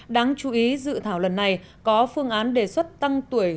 đáng chú ý dự thảo lần này có phương án đề xuất tăng tuổi